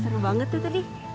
seru banget tuh d